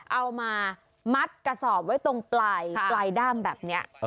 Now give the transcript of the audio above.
เอามามัดกระสอบไว้ตรงปลายด้ามแบบนี้